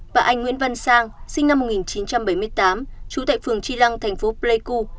và anh nguyễn văn sang sinh năm một nghìn chín trăm bảy mươi tám trú tại phường chi lăng tp pleiku